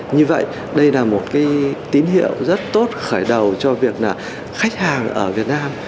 như vậy đây là một tín hiệu rất tốt khởi đầu cho việc khách hàng ở việt nam